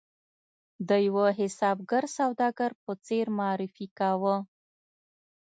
د یوه حسابګر سوداګر په څېر معرفي کاوه.